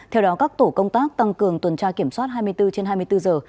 theo đó các tổ công tác tăng cường tuần tra kiểm soát hai mươi bốn trên hai mươi bốn giờ